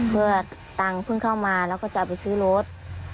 เพื่อตังค์เพิ่งเข้ามาแล้วก็จะเอาไปซื้อรถ